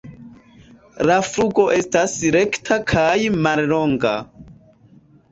La flugo estas rekta kaj mallonga.